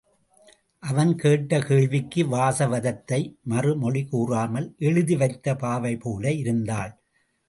அவன் கேட்ட கேள்விக்கு வாசவதத்தை மறுமொழி கூறாமல் எழுதிவைத்த பாவைபோல இருந்தாள்.